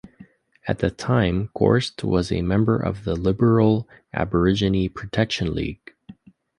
At that time Gorst was a member of the liberal Aborigine Protection League.